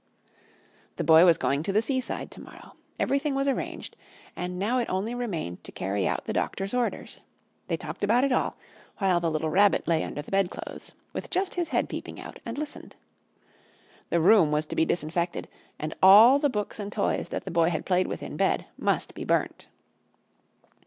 The Boy was going to the seaside to morrow. Everything was arranged, and now it only remained to carry out the doctor's orders. They talked about it all, while the little Rabbit lay under the bedclothes, with just his head peeping out, and listened. The room was to be disinfected, and all the books and toys that the Boy had played with in bed must be burnt.